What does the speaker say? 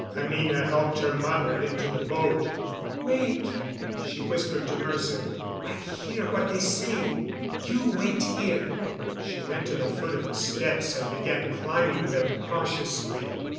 Anina helped her mother into the boat. "Wait," she whispered to Mercer. "I hear what they say. You wait here." She went to the foot of the steps and began climbing them cautiously.